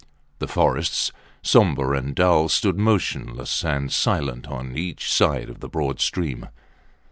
The forests, sombre and dull, stood motionless and silent on each side of the broad stream.